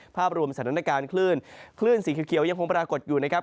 ภาพรวมสถานการณ์คลื่นคลื่นสีเขียวยังคงปรากฏอยู่นะครับ